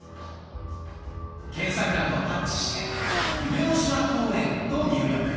検索欄をタッチして「夢の島公園」と入力。